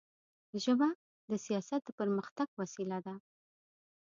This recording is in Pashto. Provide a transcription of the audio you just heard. ژبه د سیاست د پرمختګ وسیله ده